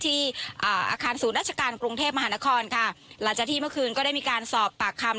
ที่อ่าอาคารศูนย์ราชการกรุงเทพมหานครค่ะหลังจากที่เมื่อคืนก็ได้มีการสอบปากคำ